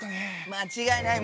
間違いない。